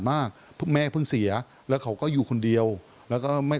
คุยกันนะครับพี่กล้านาโรงเจ้าของร้านนะฮะนอกจากนี้ครับทีมข่าวของเราตามต่อ